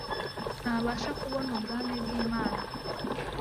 ntabasha kubonubgami bglmana